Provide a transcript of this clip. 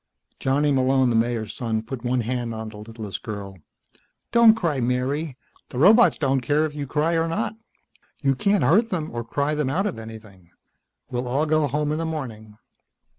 Johnny Malone, the Mayor's son, put one hand on the littlest girl. "Don't cry, Mary. The robots don't care if you cry or not. You can't hurt them or cry them out of anything. We'll all go home in the morning."